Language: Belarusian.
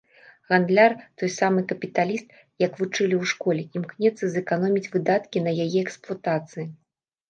Гандляр, той самы капіталіст, як вучылі ў школе, імкнецца зэканоміць выдаткі на яе эксплуатацыі.